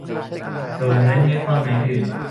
โดยไม่ให้ข้อแม้อื่น